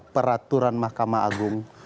peraturan makamah agung